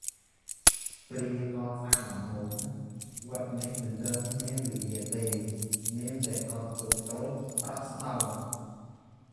គ្រាកសាងដំបូង វត្តនេះមិនទាន់មានវិហារទេ មានតែកុដិតូចៗប្រក់ស្បូវ។